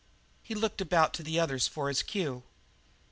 He looked about to the others for his cue.